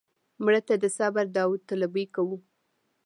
مړه ته د صبر داوطلبي کوو